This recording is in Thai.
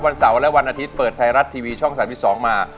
เสาร์และวันอาทิตย์เปิดไทยรัฐทีวีช่อง๓๒มา